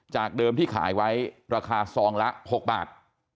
จากเดิมที่ขายไว้ราคาซองละ๖บาท